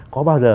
có bao giờ